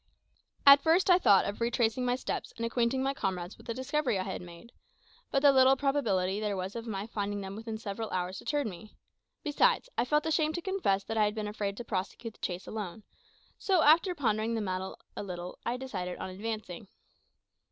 At first I thought of retracing my steps and acquainting my comrades with the discovery I had made; but the little probability there was of my finding them within several hours deterred me. Besides, I felt ashamed to confess that I had been afraid to prosecute the chase alone; so, after pondering the matter a little, I decided on advancing.